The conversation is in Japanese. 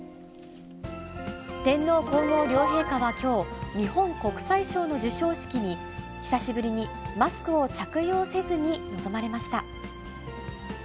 天皇皇后両陛下はきょう、ＮＩＰＰＯＮ国際賞の授賞式に、久しぶりにマスクを着用せずに臨まれました。